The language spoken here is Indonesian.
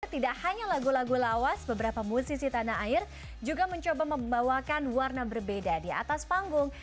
tidak hanya lagu lagu lawas beberapa musisi tanah air juga mencoba membawakan warna berbeda di atas panggung